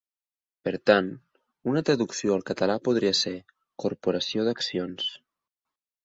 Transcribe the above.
Per tant, una traducció al català podria ser "corporació d'accions".